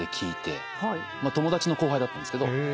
友達の後輩だったんですけど。